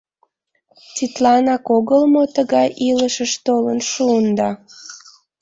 Тидланак огыл мо тыгай илышыш толын шуында?